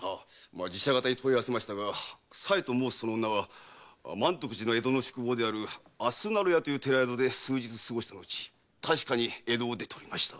寺社方に問い合わせましたが“佐枝”ともうす女は満徳寺の江戸の宿坊の「あすなろ屋」なる寺宿で数日過ごしたのち確かに江戸を出ておりました。